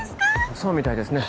そうみたいですね。